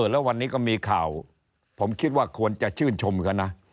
แล้ววันนี้ก็มีข่าวผมคิดว่าควรจะชื่นชมกันนะ